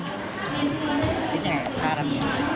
เท่าไหร่๕๐๐๐บาท